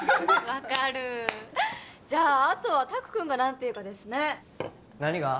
分かるじゃああとは拓君が何て言うかですね何が？